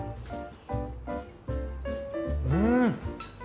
うん！